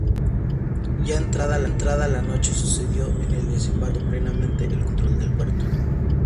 Ya entrada la noche, sucedió el desembarco, logrando plenamente el control del puerto.